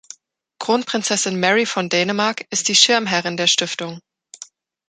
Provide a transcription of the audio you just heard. Kronprinzessin Mary von Dänemark ist die Schirmherrin der Stiftung.